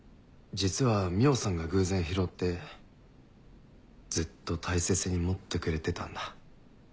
実は海音さんが偶然拾ってずっと大切に持ってくれてたんだ。